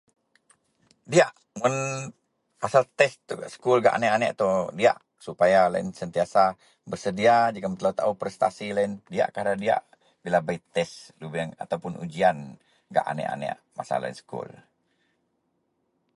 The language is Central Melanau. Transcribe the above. Diyak mun pasel tes itou gak sekul gak aneak-aneak itou diyak supaya loyen sentiasa besedia jegem telou taou prestasi loyen diyakkah nda diyak. Bila bei tes lubeang atau pun ujian gak aneak-aneak masa loyen sekul.